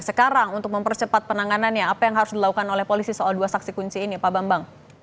sekarang untuk mempercepat penanganannya apa yang harus dilakukan oleh polisi soal dua saksi kunci ini pak bambang